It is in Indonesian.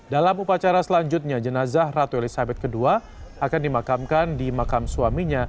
dalam upacara selanjutnya jenazah ratu elizabeth ii akan dimakamkan di makam suaminya